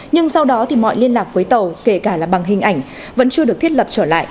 nhưng sau đó thì mọi liên lạc với tàu kể cả là bằng hình ảnh vẫn chưa được thiết lập trở lại